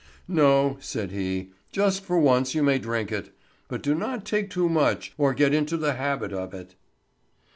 "No," said he. "Just for once you may drink it; but do not take too much, or get into the habit of it."